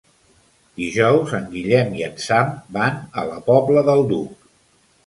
Dijous en Guillem i en Sam van a la Pobla del Duc.